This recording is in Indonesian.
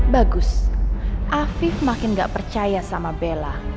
bagus afif makin gak percaya sama bela